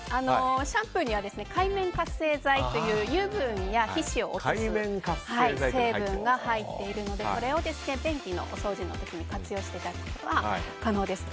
シャンプーには界面活性剤という油分や皮脂を落とす成分が入っているのでこれを便器のお掃除の時に活用していただくことが可能です。